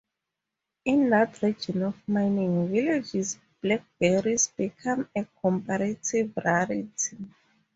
In that region of mining villages blackberries became a comparative rarity.